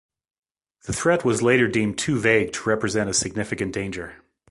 The threat was later deemed too vague to represent a significant danger.